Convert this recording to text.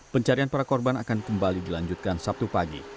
pencarian para korban akan kembali dilanjutkan sabtu pagi